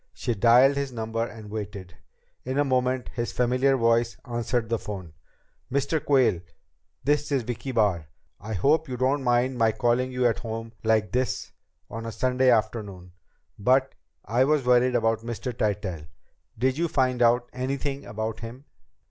She dialed his number and waited. In a moment his familiar voice answered the phone. "Mr. Quayle? ... This is Vicki Barr. I hope you don't mind my calling you at home like this on a Sunday afternoon, but I was worried about Mr. Tytell. Did you find out anything about him?"